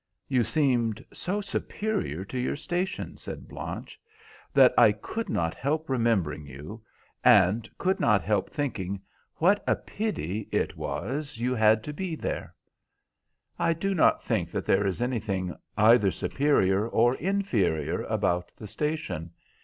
"You seemed so superior to your station," said Blanche, "that I could not help remembering you, and could not help thinking what a pity it was you had to be there." "I do not think that there is anything either superior or inferior about the station.